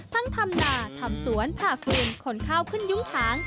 ทั้งทำหน้าทำสวนผ้าฝืนขนข้าวขึ้นยุ้งทาง